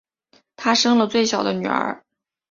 她生了最小的女儿